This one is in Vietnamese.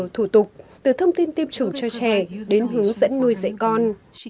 thủ tục từ thông tin tiêm chủng cho trẻ đến hướng dẫn nuôi dạy con